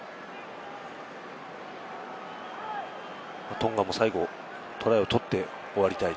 トンガも最後、トライを取って終わりたい。